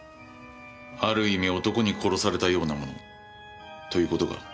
ある意味男に殺されたようなものという事か？